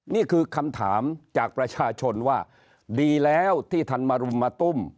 นี่คือคำถามจากประชาชนว่าดีแล้วที่ท่านมารุมมาตุ้ม